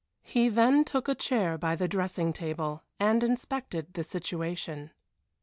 He then took a chair by the dressing table and inspected the situation.